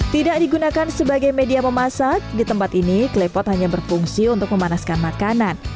tidak digunakan sebagai media memasak di tempat ini klepot hanya berfungsi untuk memanaskan makanan